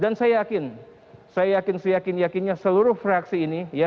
dan saya yakin saya yakin saya yakin yakinnya seluruh fraksi ini